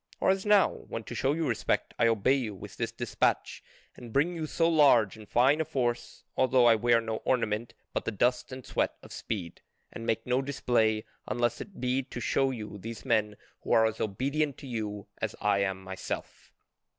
Or as now, when to show you respect I obey you with this despatch and bring you so large and fine a force, although I wear no ornament but the dust and sweat of speed, and make no display unless it be to show you these men who are as obedient to you as I am myself."